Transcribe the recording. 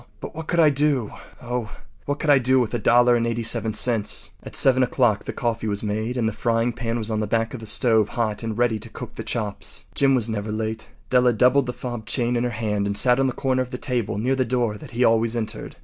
But what could I do—oh! what could I do with a dollar and eighty seven cents?” At 7 o’clock the coffee was made and the frying pan was on the back of the stove hot and ready to cook the chops. Jim was never late. Della doubled the fob chain in her hand and sat on the corner of the table near the door that he always entered.